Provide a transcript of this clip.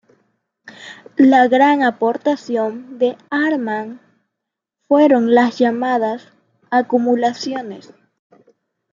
La gran aportación de Arman, fueron las llamadas "Acumulaciones".